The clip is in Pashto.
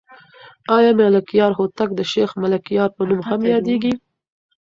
آیا ملکیار هوتک د شیخ ملکیار په نوم هم یادېږي؟